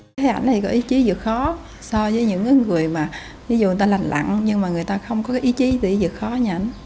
cái ảnh này có ý chí dựa khó so với những người mà ví dụ người ta lành lặng nhưng mà người ta không có cái ý chí dựa khó như ảnh